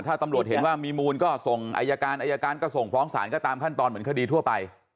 ถ้าตำรวจเห็นว่ามีมูลก็ส่งอายการอายการก็ส่งฟ้องศาลก็ตามขั้นตอนเหมือนคดีทั่วไป